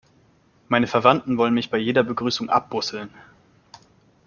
Meine Verwandten wollen mich bei jeder Begrüßung abbusseln.